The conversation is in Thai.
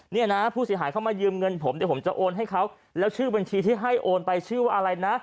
เนี่ยนะผู้เสียหายเข้ามายืมเงินผมเดี๋ยวผมจะโอนให้เขาแล้วชื่อบัญชีที่ให้โอนไปชื่อว่าอะไรนะ